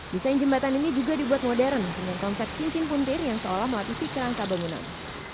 desain jembatan ini juga dibuat modern dengan konsep cincin puntir yang seolah melapisi kerangka bangunan